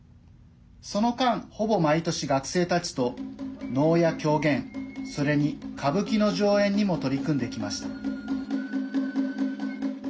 その間、ほぼ毎年学生たちと、能や狂言それに、歌舞伎の上演にも取り組んできました。